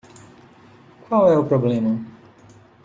Qual é o problema?